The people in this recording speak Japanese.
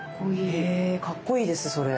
へえかっこいいですそれ。